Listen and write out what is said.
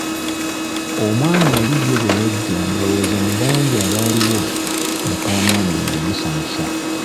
Omwami oli ,ye bwe yajja ,ndowooza mu bangi abaaliwo mukaamwana ye yamusanyusa.